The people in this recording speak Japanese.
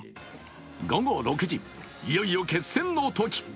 午後６時、いよいよ決戦の時。